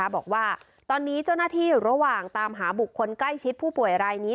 บอกว่าตอนนี้เจ้าหน้าที่ระหว่างตามหาบุคคลใกล้ชิดผู้ป่วยรายนี้